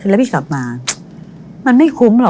แล้วพี่กลับมามันไม่คุ้มหรอก